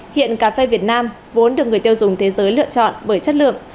hiện cà phê việt nam vốn được người tiêu dùng thế giới lựa chọn bởi chất lượng